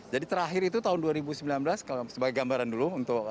jadi terakhir itu tahun dua ribu sembilan belas sebagai gambaran dulu